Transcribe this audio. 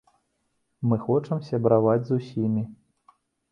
Мы хочам сябраваць з усімі.